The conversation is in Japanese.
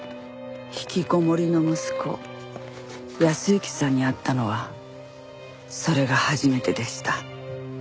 引きこもりの息子泰幸さんに会ったのはそれが初めてでした。